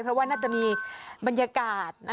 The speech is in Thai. เพราะว่าน่าจะมีบรรยากาศ